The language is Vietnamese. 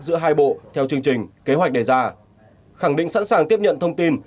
giữa hai bộ theo chương trình kế hoạch đề ra khẳng định sẵn sàng tiếp nhận thông tin